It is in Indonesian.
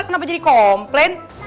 kenapa jadi komplain